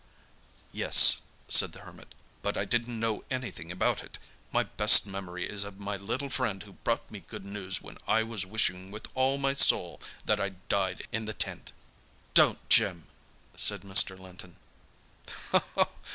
"Yes," said the Hermit, "but I didn't know anything about it. My best memory is of my little friend who brought me good news when I was wishing with all my soul that I'd died in the tent!" "Don't, Jim!" said Mr. Linton.